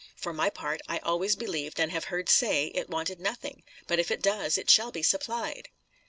For my part, I always believed, and have heard say, it wanted nothing; but if it does, it shall be supplied."